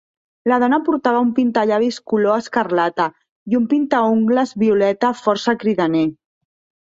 La dona portava un pintallavis color escarlata i un pintaungles violeta força cridaner.